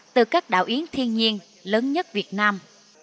từ các đảo yến thiên nhiên lớn nhất việt nam